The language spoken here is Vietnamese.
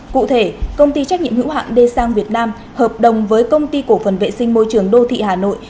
cụ thể công ty trách nhiệm hữu hạn de sang việt nam hợp đồng với công ty cổ phần vệ sinh môi trường đô thị hà nội